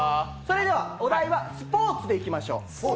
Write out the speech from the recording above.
お題はスポーツでいきましょう。